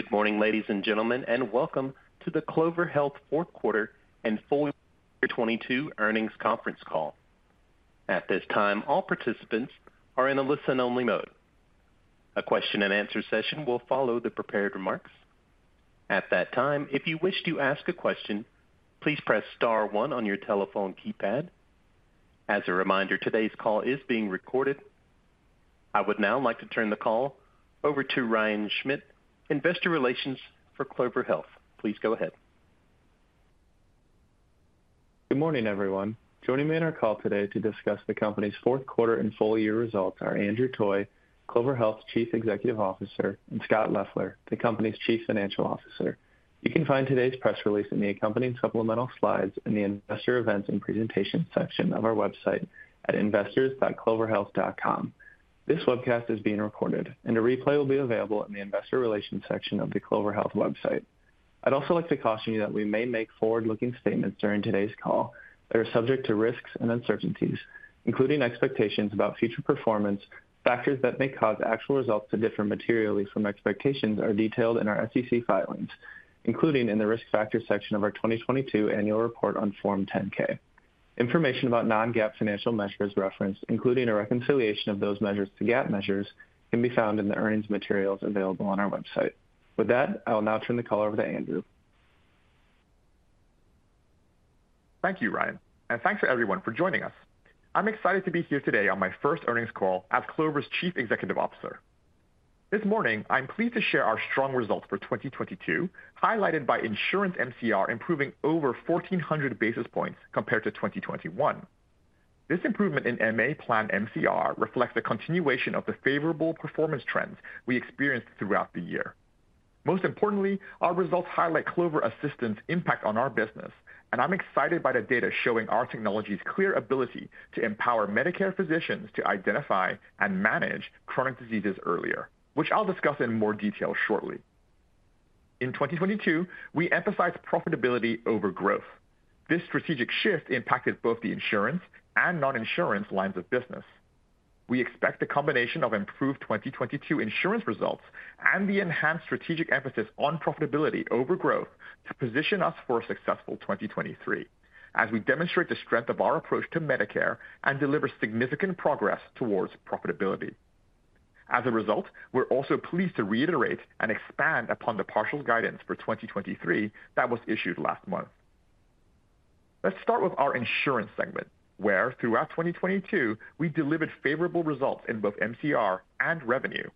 Good morning, ladies and gentlemen, and welcome to the Clover Health fourth quarter and full year 2022 earnings conference call. At this time, all participants are in a listen-only mode. A question-and-answer session will follow the prepared remarks. At that time, if you wish to ask a question, please press star one on your telephone keypad. As a reminder, today's call is being recorded. I would now like to turn the call over to Ryan Schmidt, Investor Relations for Clover Health. Please go ahead. Good morning, everyone. Joining me on our call today to discuss the company's fourth quarter and full year results are Andrew Toy, Clover Health's Chief Executive Officer, and Scott Leffler, the company's Chief Financial Officer. You can find today's press release in the accompanying supplemental slides in the Investor Events and Presentation section of our website at investors.cloverhealth.com. This webcast is being recorded, and a replay will be available in the Investor Relations section of the Clover Health website. I'd also like to caution you that we may make forward-looking statements during today's call. They are subject to risks and uncertainties, including expectations about future performance. Factors that may cause actual results to differ materially from expectations are detailed in our SEC filings, including in the Risk Factors section of our 2022 annual report on Form 10-K. Information about non-GAAP financial measures referenced, including a reconciliation of those measures to GAAP measures, can be found in the earnings materials available on our website. With that, I will now turn the call over to Andrew. Thank you, Ryan, and thanks to everyone for joining us. I'm excited to be here today on my first earnings call as Clover's Chief Executive Officer. This morning, I'm pleased to share our strong results for 2022, highlighted by insurance MCR improving over 1,400 basis points compared to 2021. This improvement in MA plan MCR reflects the continuation of the favorable performance trends we experienced throughout the year. Most importantly, our results highlight Clover Assistant's impact on our business, and I'm excited by the data showing our technology's clear ability to empower Medicare physicians to identify and manage chronic diseases earlier, which I'll discuss in more detail shortly. In 2022, we emphasized profitability over growth. This strategic shift impacted both the insurance and non-insurance lines of business. We expect a combination of improved 2022 insurance results and the enhanced strategic emphasis on profitability over growth to position us for a successful 2023 as we demonstrate the strength of our approach to Medicare and deliver significant progress towards profitability. We're also pleased to reiterate and expand upon the partial guidance for 2023 that was issued last month. Let's start with our insurance segment, where throughout 2022 we delivered favorable results in both MCR and revenue.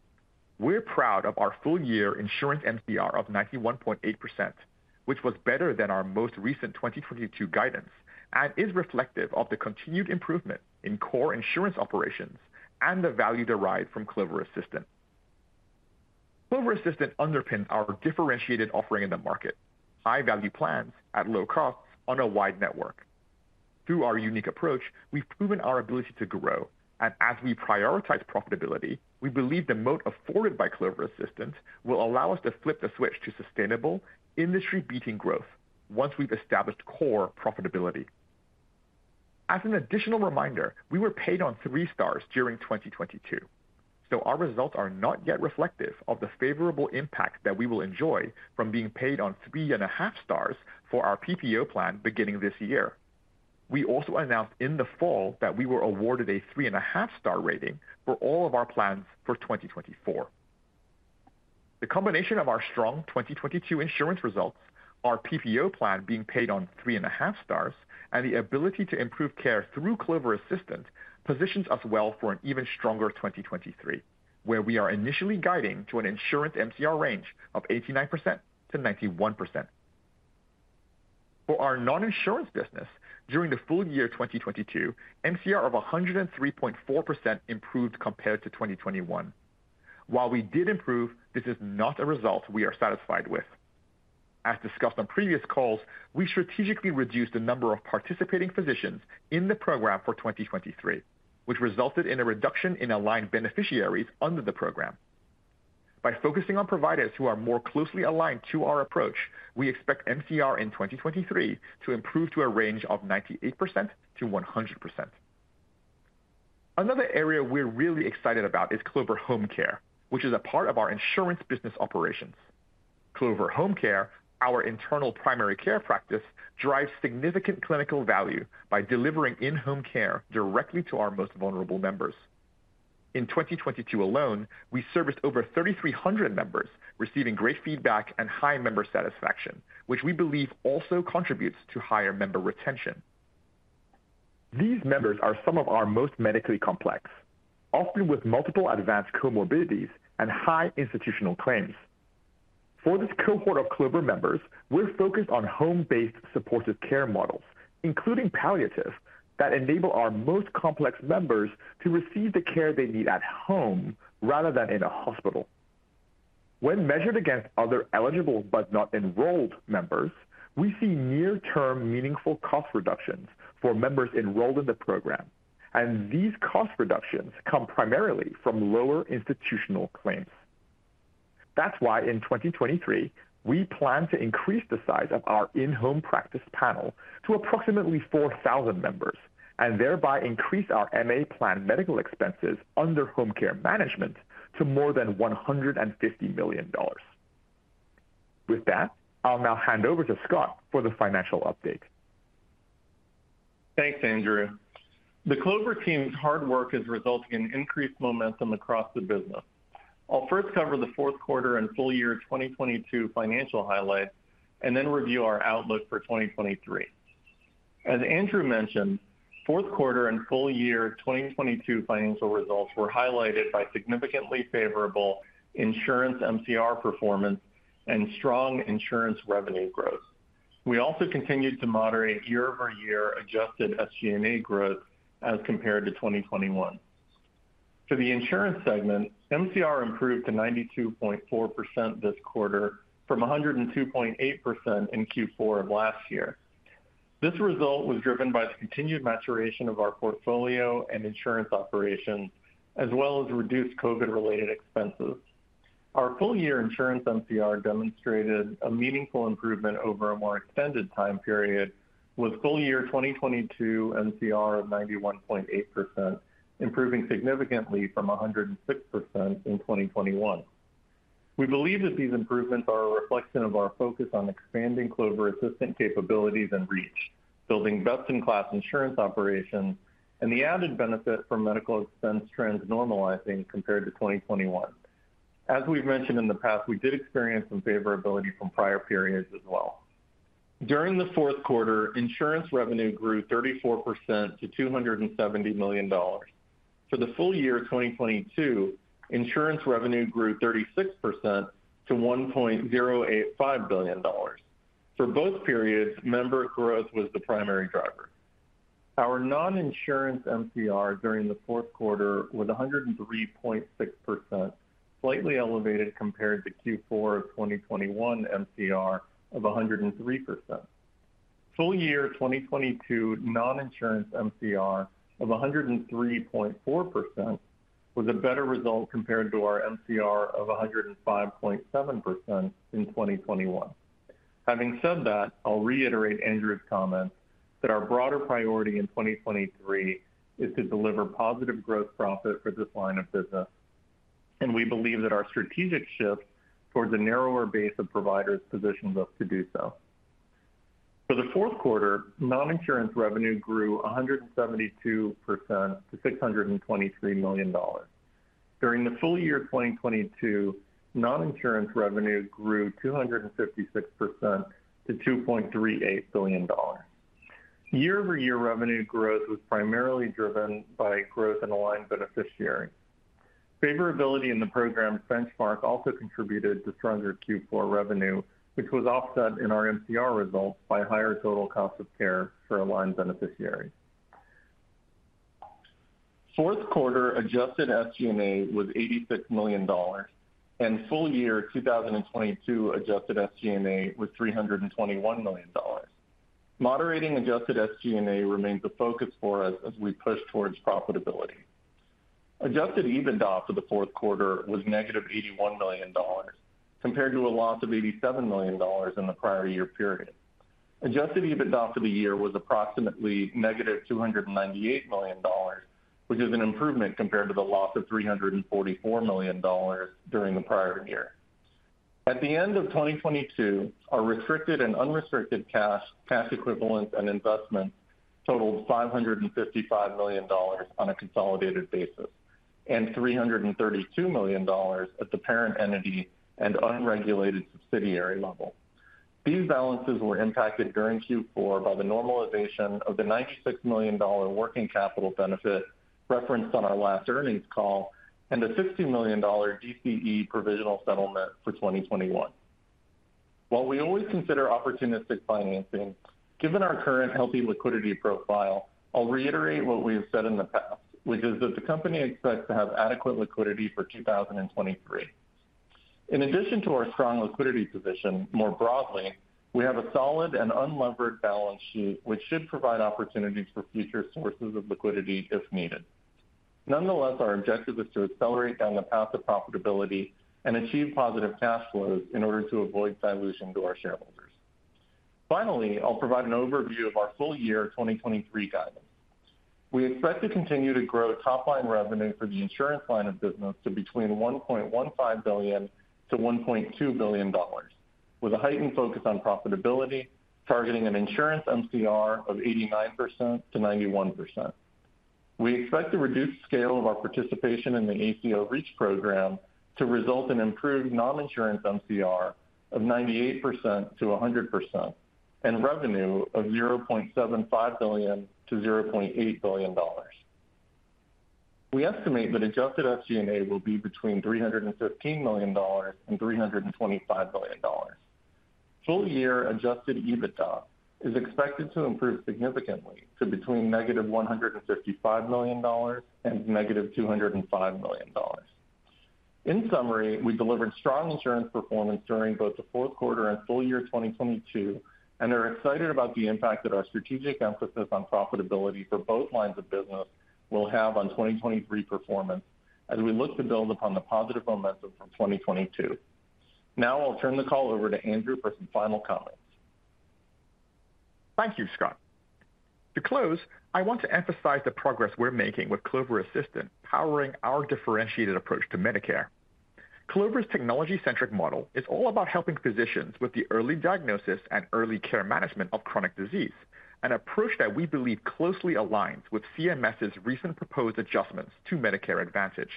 We're proud of our full year insurance MCR of 91.8%, which was better than our most recent 2022 guidance and is reflective of the continued improvement in core insurance operations and the value derived from Clover Assistant. Clover Assistant underpins our differentiated offering in the market, high-value plans at low costs on a wide network. Through our unique approach, we've proven our ability to grow, and as we prioritize profitability, we believe the moat afforded by Clover Assistant will allow us to flip the switch to sustainable industry-beating growth once we've established core profitability. As an additional reminder, we were paid on three stars during 2022, so our results are not yet reflective of the favorable impact that we will enjoy from being paid on 3.5 stars for our PPO plan beginning this year. We also announced in the fall that we were awarded a 3.5-star rating for all of our plans for 2024. The combination of our strong 2022 insurance results, our PPO plan being paid on 3.5 stars, and the ability to improve care through Clover Assistant positions us well for an even stronger 2023, where we are initially guiding to an insurance MCR range of 89%-91%. For our non-insurance business during the full year 2022, MCR of 103.4% improved compared to 2021. While we did improve, this is not a result we are satisfied with. As discussed on previous calls, we strategically reduced the number of participating physicians in the program for 2023, which resulted in a reduction in aligned beneficiaries under the program. By focusing on providers who are more closely aligned to our approach, we expect MCR in 2023 to improve to a range of 98%-100%. Another area we're really excited about is Clover Home Care, which is a part of our insurance business operations. Clover Home Care, our internal primary care practice, drives significant clinical value by delivering in-home care directly to our most vulnerable members. In 2022 alone, we serviced over 3,300 members, receiving great feedback and high member satisfaction, which we believe also contributes to higher member retention. These members are some of our most medically complex, often with multiple advanced comorbidities and high institutional claims. For this cohort of Clover members, we're focused on home-based supportive care models, including palliative, that enable our most complex members to receive the care they need at home rather than in a hospital. When measured against other eligible but not enrolled members, we see near-term meaningful cost reductions for members enrolled in the program, and these cost reductions come primarily from lower institutional claims. That's why in 2023, we plan to increase the size of our in-home practice panel to approximately 4,000 members and thereby increase our MA plan medical expenses under home care management to more than $150 million. With that, I'll now hand over to Scott for the financial update. Thanks, Andrew. The Clover team's hard work is resulting in increased momentum across the business. I'll first cover the fourth quarter and full year 2022 financial highlights and then review our outlook for 2023. As Andrew mentioned, fourth quarter and full year 2022 financial results were highlighted by significantly favorable insurance MCR performance and strong insurance revenue growth. We also continued to moderate year-over-year adjusted SG&A growth as compared to 2021. For the insurance segment, MCR improved to 92.4% this quarter from 102.8% in Q4 of last year. This result was driven by the continued maturation of our portfolio and insurance operations, as well as reduced COVID-related expenses. Our full-year insurance MCR demonstrated a meaningful improvement over a more extended time period, with full year 2022 MCR of 91.8%, improving significantly from 106% in 2021. We believe that these improvements are a reflection of our focus on expanding Clover Assistant capabilities and reach, building best-in-class insurance operations, and the added benefit from medical expense trends normalizing compared to 2021. As we've mentioned in the past, we did experience some favorability from prior periods as well. During the fourth quarter, insurance revenue grew 34% to $270 million. For the full year 2022, insurance revenue grew 36% to $1.085 billion. For both periods, member growth was the primary driver. Our non-insurance MCR during the fourth quarter was 103.6%, slightly elevated compared to Q4 of 2021 MCR of 103%. Full year 2022 non-insurance MCR of 103.4% was a better result compared to our MCR of 105.7% in 2021. Having said that, I'll reiterate Andrew's comment that our broader priority in 2023 is to deliver positive growth profit for this line of business, and we believe that our strategic shift towards a narrower base of providers positions us to do so. For the fourth quarter, non-insurance revenue grew 172% to $623 million. During the full year 2022, non-insurance revenue grew 256% to $2.38 billion. Year-over-year revenue growth was primarily driven by growth in aligned beneficiaries. Favorability in the program benchmark also contributed to stronger Q4 revenue, which was offset in our MCR results by higher total cost of care for aligned beneficiaries. Fourth quarter adjusted SG&A was $86 million, and full year 2022 adjusted SG&A was $321 million. Moderating adjusted SG&A remains a focus for us as we push towards profitability. Adjusted EBITDA for the fourth quarter was negative $81 million, compared to a loss of $87 million in the prior year period. Adjusted EBITDA for the year was approximately negative $298 million, which is an improvement compared to the loss of $344 million during the prior year. At the end of 2022, our restricted and unrestricted cash equivalents, and investments totaled $555 million on a consolidated basis, and $332 million at the parent entity and unregulated subsidiary level. These balances were impacted during Q4 by the normalization of the $96 million working capital benefit referenced on our last earnings call and a $50 million DCE provisional settlement for 2021. While we always consider opportunistic financing, given our current healthy liquidity profile, I'll reiterate what we have said in the past, which is that the company expects to have adequate liquidity for 2023. In addition to our strong liquidity position, more broadly, we have a solid and unlevered balance sheet, which should provide opportunities for future sources of liquidity if needed. Nonetheless, our objective is to accelerate down the path of profitability and achieve positive cash flows in order to avoid dilution to our shareholders. Finally, I'll provide an overview of our full year 2023 guidance. We expect to continue to grow top line revenue for the insurance line of business to between $1.15 billion-$1.2 billion, with a heightened focus on profitability, targeting an insurance MCR of 89%-91%. We expect the reduced scale of our participation in the ACO REACH program to result in improved non-insurance MCR of 98%-100% and revenue of $0.75 billion-$0.8 billion. We estimate that adjusted SG&A will be between $315 million and $325 million. Full year Adjusted EBITDA is expected to improve significantly to between negative $155 million and negative $205 million. In summary, we delivered strong insurance performance during both the fourth quarter and full year 2022, and are excited about the impact that our strategic emphasis on profitability for both lines of business will have on 2023 performance as we look to build upon the positive momentum from 2022. Now I'll turn the call over to Andrew for some final comments. Thank you, Scott. To close, I want to emphasize the progress we're making with Clover Assistant, powering our differentiated approach to Medicare. Clover's technology-centric model is all about helping physicians with the early diagnosis and early care management of chronic disease, an approach that we believe closely aligns with CMS' recent proposed adjustments to Medicare Advantage.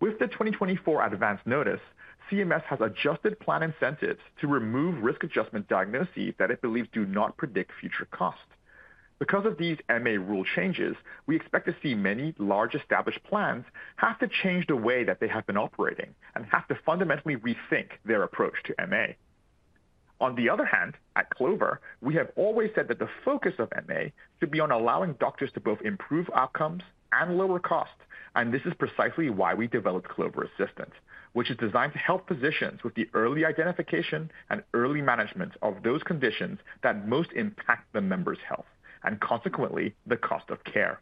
With the 2024 Advance Notice, CMS has adjusted plan incentives to remove risk adjustment diagnoses that it believes do not predict future costs. Because of these MA rule changes, we expect to see many large established plans have to change the way that they have been operating and have to fundamentally rethink their approach to MA. On the other hand, at Clover, we have always said that the focus of MA should be on allowing doctors to both improve outcomes and lower costs. This is precisely why we developed Clover Assistant, which is designed to help physicians with the early identification and early management of those conditions that most impact the member's health and consequently, the cost of care.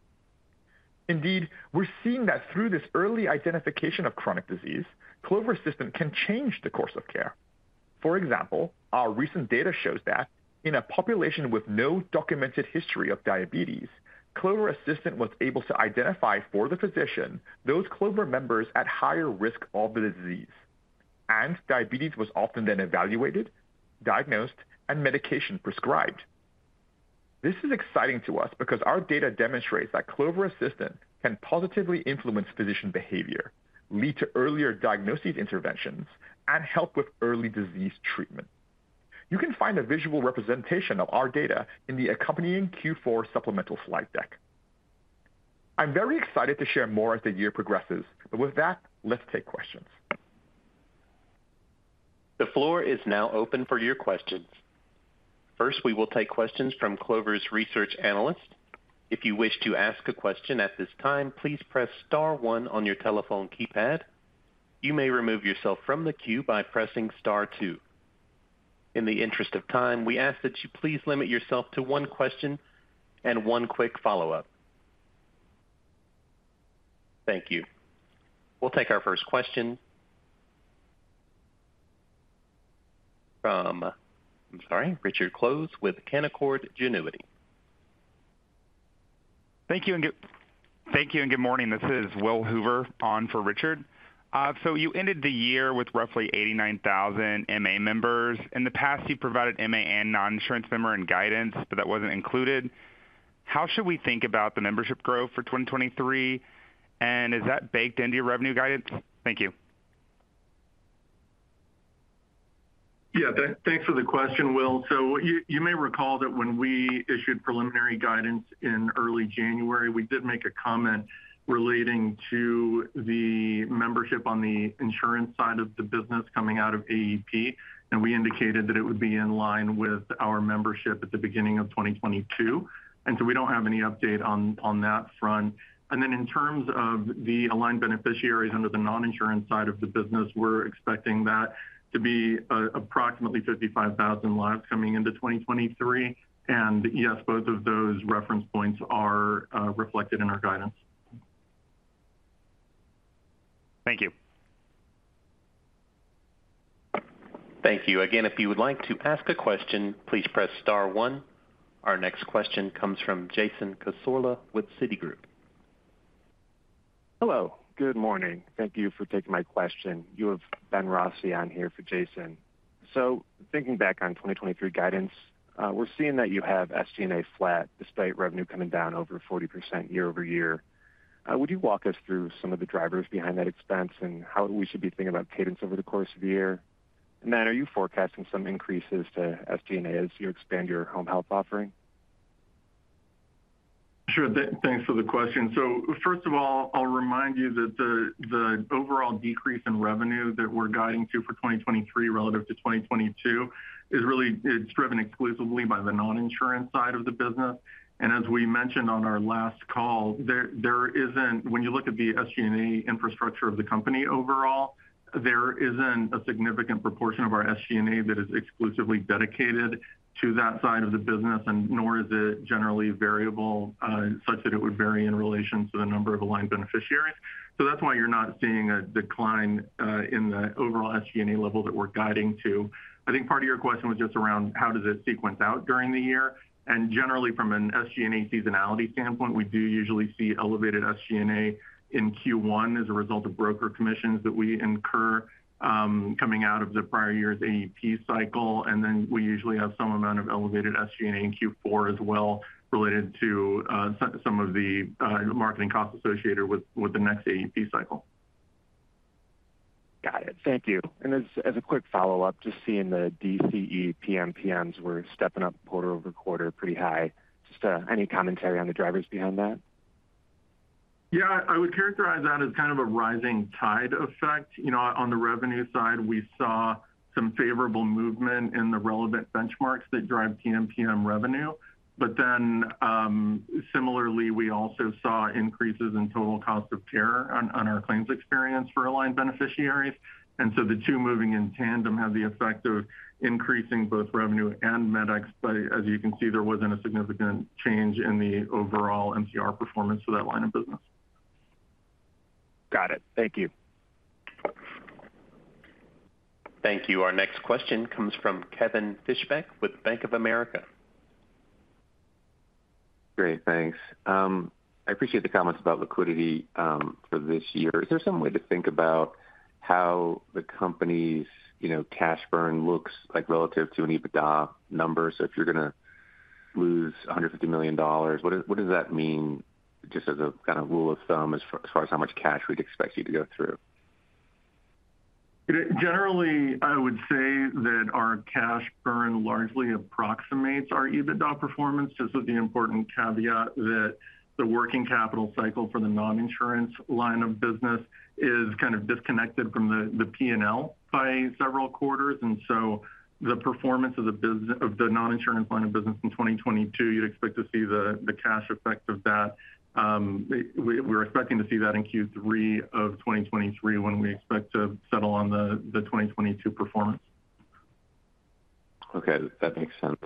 Indeed, we're seeing that through this early identification of chronic disease, Clover Assistant can change the course of care. For example, our recent data shows that in a population with no documented history of diabetes, Clover Assistant was able to identify for the physician those Clover members at higher risk of the disease. Diabetes was often then evaluated, diagnosed, and medication prescribed. This is exciting to us because our data demonstrates that Clover Assistant can positively influence physician behavior, lead to earlier diagnosis interventions, and help with early disease treatment. You can find a visual representation of our data in the accompanying Q4 supplemental slide deck. I'm very excited to share more as the year progresses. With that, let's take questions. The floor is now open for your questions. First, we will take questions from Clover's research analyst. If you wish to ask a question at this time, please press star one on your telephone keypad. You may remove yourself from the queue by pressing star two. In the interest of time, we ask that you please limit yourself to one question and one quick follow-up. Thank you. We'll take our first question from, I'm sorry, Richard Close with Canaccord Genuity. Thank you and good morning. This is William Hoover on for Richard. You ended the year with roughly 89,000 MA members. In the past, you provided MA and non-insurance member and guidance, but that wasn't included. How should we think about the membership growth for 2023? Is that baked into your revenue guidance? Thank you. Yeah, thanks for the question, Will. You may recall that when we issued preliminary guidance in early January, we did make a comment relating to the membership on the insurance side of the business coming out of AEP, and we indicated that it would be in line with our membership at the beginning of 2022. We don't have any update on that front. In terms of the aligned beneficiaries under the non-insurance side of the business, we're expecting that to be approximately 55,000 lives coming into 2023. Yes, both of those reference points are reflected in our guidance. Thank you. Thank you. Again, if you would like to ask a question, please press star one. Our next question comes from Jason Cassady with Citigroup. Hello, good morning. Thank you for taking my question. You have Ben Rossi on here for Jason. Thinking back on 2023 guidance, we're seeing that you have SG&A flat despite revenue coming down over 40% year-over-year. Would you walk us through some of the drivers behind that expense and how we should be thinking about cadence over the course of the year? Are you forecasting some increases to SG&A as you expand your home health offering? Sure. Thanks for the question. First of all, I'll remind you that the overall decrease in revenue that we're guiding to for 2023 relative to 2022 is really it's driven exclusively by the non-insurance side of the business. As we mentioned on our last call, there isn't when you look at the SG&A infrastructure of the company overall, there isn't a significant proportion of our SG&A that is exclusively dedicated to that side of the business, and nor is it generally variable, such that it would vary in relation to the number of aligned beneficiaries. That's why you're not seeing a decline, in the overall SG&A level that we're guiding to. I think part of your question was just around how does it sequence out during the year. Generally, from an SG&A seasonality standpoint, we do usually see elevated SG&A in Q1 as a result of broker commissions that we incur, coming out of the prior year's AEP cycle. Then we usually have some amount of elevated SG&A in Q4 as well, related to some of the marketing costs associated with the next AEP cycle. Got it. Thank you. As a quick follow-up, just seeing the DCE PMPMs were stepping up quarter-over-quarter pretty high. Just any commentary on the drivers behind that? Yeah. I would characterize that as kind of a rising tide effect. You know, on the revenue side, we saw some favorable movement in the relevant benchmarks that drive PMPM revenue. Similarly, we also saw increases in total cost of care on our claims experience for Aligned beneficiaries. The two moving in tandem have the effect of increasing both revenue and medex. As you can see, there wasn't a significant change in the overall MCR performance for that line of business. Got it. Thank you. Thank you. Our next question comes from Kevin Fischbeck with Bank of America. Great, thanks. I appreciate the comments about liquidity, for this year. Is there some way to think about how the company's, you know, cash burn looks like relative to an EBITDA number? If you're gonna lose $150 million, what does that mean, just as a kind of rule of thumb as far as how much cash we'd expect you to go through? Generally, I would say that our cash burn largely approximates our EBITDA performance, just with the important caveat that the working capital cycle for the non-insurance line of business is kind of disconnected from the P&L by several quarters. The performance of the non-insurance line of business in 2022, you'd expect to see the cash effect of that. We're expecting to see that in Q3 of 2023 when we expect to settle on the 2022 performance. Okay, that makes sense.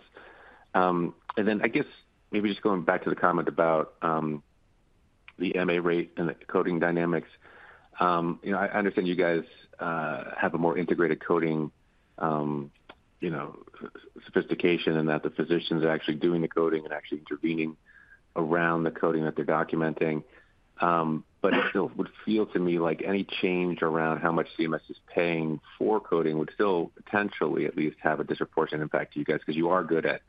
I guess maybe just going back to the comment about, the MA rate and the coding dynamics. You know, I understand you guys, have a more integrated coding, you know, sophistication and that the physicians are actually doing the coding and actually intervening around the coding that they're documenting. It still would feel to me like any change around how much CMS is paying for coding would still potentially at least have a disproportionate impact to you guys because you are good at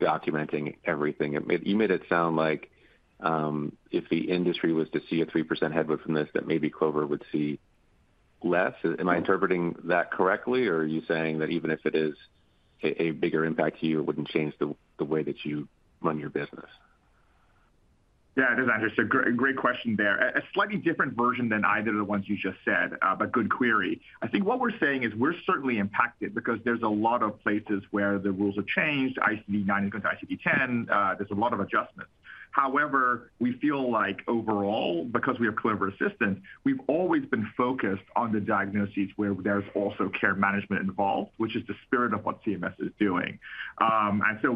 documenting everything. You made it sound like, if the industry was to see a 3% headwind from this, that maybe Clover would see less. Am I interpreting that correctly, or are you saying that even if it is a bigger impact to you, it wouldn't change the way that you run your business? Yeah, it is understood. Great question there. A slightly different version than either of the ones you just said, but good query. I think what we're saying is we're certainly impacted because there's a lot of places where the rules have changed, ICD-9 into ICD-10. There's a lot of adjustments. However, we feel like overall, because we have Clover Assistant, we've always been focused on the diagnoses where there's also care management involved, which is the spirit of what CMS is doing.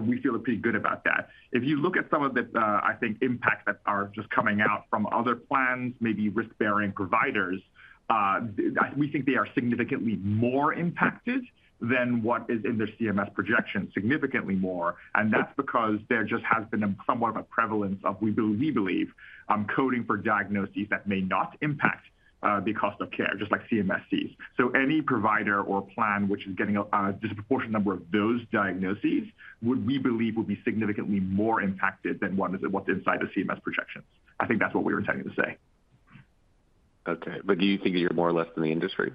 We feel pretty good about that. If you look at some of the, I think, impacts that are just coming out from other plans, maybe risk-bearing providers, we think they are significantly more impacted than what is in the CMS projection, significantly more. That's because there just has been a somewhat of a prevalence of we believe, coding for diagnoses that may not impact the cost of care, just like CMS sees. Any provider or plan which is getting a disproportionate number of those diagnoses would, we believe, would be significantly more impacted than what's inside the CMS projections. I think that's what we were intending to say. Okay. Do you think that you're more or less than the industry?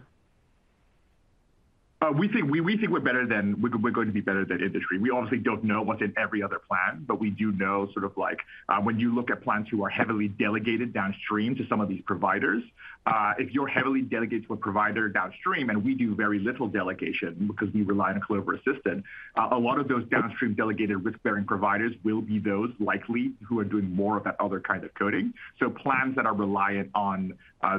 We think we're better than... We're going to be better than industry. We obviously don't know what's in every other plan, but we do know sort of like when you look at plans who are heavily delegated downstream to some of these providers, if you're heavily delegated to a provider downstream, and we do very little delegation because we rely on Clover Assistant, a lot of those downstream delegated risk-bearing providers will be those likely who are doing more of that other kind of coding. Plans that are reliant on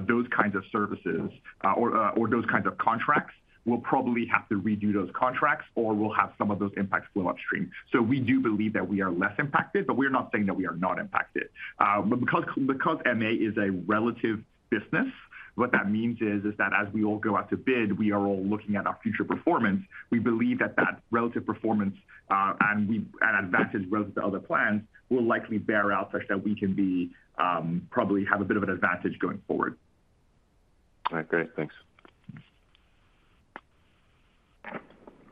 those kinds of services, or those kinds of contracts will probably have to redo those contracts or will have some of those impacts flow upstream. We do believe that we are less impacted, but we're not saying that we are not impacted. Because MA is a relative business, what that means is that as we all go out to bid, we are all looking at our future performance. We believe that that relative performance, and advantage relative to other plans will likely bear out such that we can be, probably have a bit of an advantage going forward. All right, great. Thanks.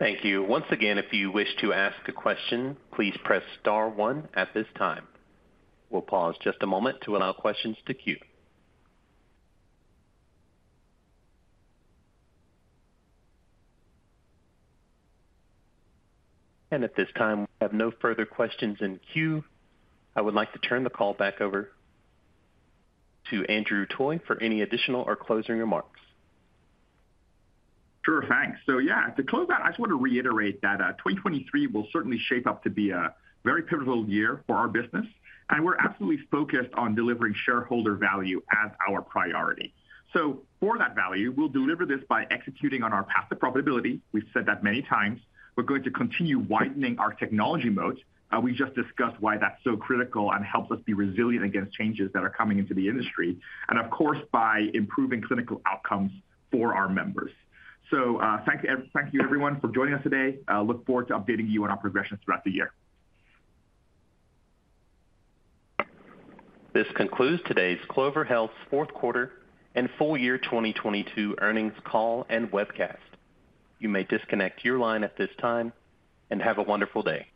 Thank you. Once again, if you wish to ask a question, please press star one at this time. We'll pause just a moment to allow questions to queue. At this time, we have no further questions in queue. I would like to turn the call back over to Andrew Toy for any additional or closing remarks. Sure. Thanks. To close out, I just want to reiterate that 2023 will certainly shape up to be a very pivotal year for our business, and we're absolutely focused on delivering shareholder value as our priority. For that value, we'll deliver this by executing on our path to profitability. We've said that many times. We're going to continue widening our technology moat. We just discussed why that's so critical and helps us be resilient against changes that are coming into the industry. Of course, by improving clinical outcomes for our members. Thank you everyone for joining us today. Look forward to updating you on our progressions throughout the year. This concludes today's Clover Health's fourth quarter and full year 2022 earnings call and webcast. You may disconnect your line at this time, and have a wonderful day.